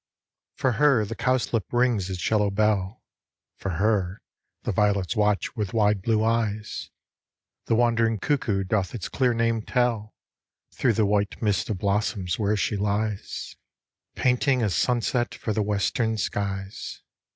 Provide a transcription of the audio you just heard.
For her the cowslip rings its yellow bell. For her the violets watch with wide blue eyes. The wandering cuckoo doth its clear name tell Thro' the white mist of blossoms where she lies 157 158 MAY Painting a sunset for the western skies.